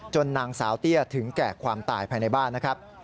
นางสาวเตี้ยถึงแก่ความตายภายในบ้านนะครับ